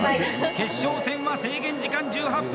決勝戦は、制限時間１８分。